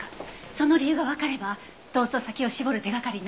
その理由がわかれば逃走先を絞る手がかりになるはずよ。